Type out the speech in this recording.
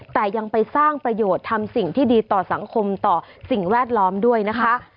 แต่ยังไปสร้างประโยชน์ทำสิ่งที่ดีต่อสังคมต่อสิ่งแวดล้อมด้วยนะคะ